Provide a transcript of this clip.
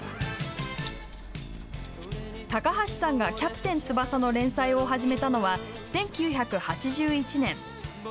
高橋さんが「キャプテン翼」の連載を始めたのは１９８１年。